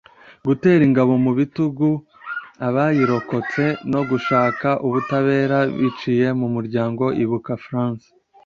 gutera ingabo mu bitugu abayirokotse no gushaka ubutabera biciye mu Muryango Ibuka-France